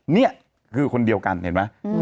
นี่คือคนเดียวกันเห็นไหม